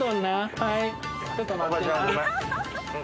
はい。